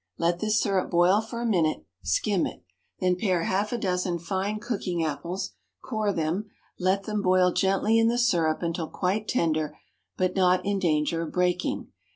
Let this syrup boil for a minute; skim it. Then pare half a dozen fine cooking apples; core them; let them boil gently in the syrup until quite tender, but not in danger of breaking.